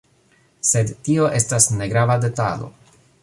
Sed tio estas negrava detalo.